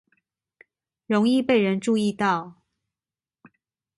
容易被人注意到